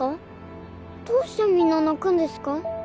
どうしてみんな泣くんですか？